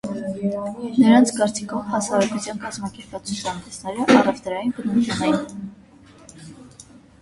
Նրանց կարծիքով, հասարակության կազմակերպած ցուցահանդեսները առևտրային բնույթ ունեին։